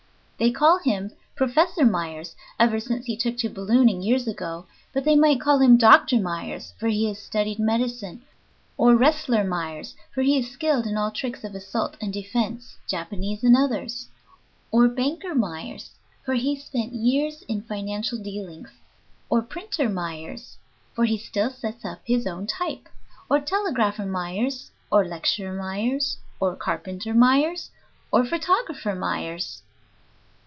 They call him "Professor" Myers ever since he took to ballooning, years ago; but they might call him Dr. Myers, for he has studied medicine, or Wrestler Myers, for he is skilled in all tricks of assault and defense, Japanese and others, or Banker Myers, for he spent years in financial dealings, or Printer Myers, for he still sets up his own type, or Telegrapher Myers, or Lecturer Myers, or Carpenter Myers, or Photographer Myers.